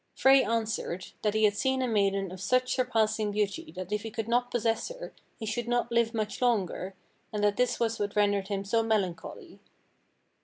Frey answered, that he had seen a maiden of such surpassing beauty that if he could not possess her he should not live much longer, and that this was what rendered him so melancholy.